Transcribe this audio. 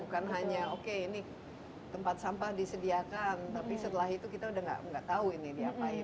bukan hanya oke ini tempat sampah disediakan tapi setelah itu kita udah nggak tahu ini diapain